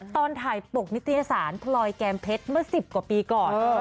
ตอนถ่ายปกนิตยสารพลอยแก้มเพชรเมื่อ๑๐กว่าปีก่อน